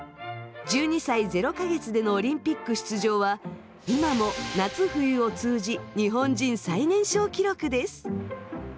１２歳０か月でのオリンピック出場は今も夏冬を通じ日本人最年少記録です。